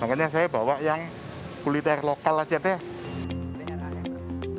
makanya saya bawa yang kuliner lokal aja deh